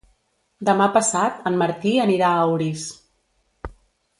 Demà passat en Martí anirà a Orís.